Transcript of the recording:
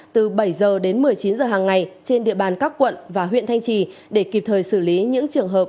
từ bảy h đến một mươi chín h hàng ngày trên địa bàn các quận và huyện thanh trì để kịp thời xử lý những trường hợp